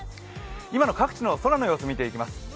今の各地の空の様子を見ていきます。